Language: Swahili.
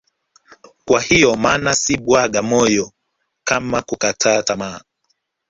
Kwa hiyo maana si bwaga moyo kama kukataa tamaa